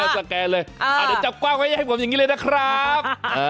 สแกนเลยเดี๋ยวจับกว้างไว้ให้ผมอย่างนี้เลยนะครับ